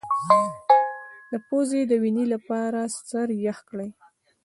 د پوزې د وینې لپاره سر یخ کړئ